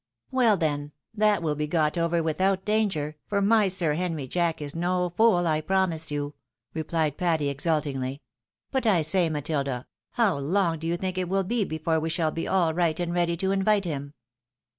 " Well, then, that will be got over without danger, for my Sir Henry Jack is no fool, I promise you," replied Patty, exult ingly. " But I say, Matilda, how long do you think it wiU be before we shall be all right and ready to invite him